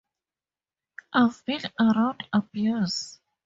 I've been around abuse.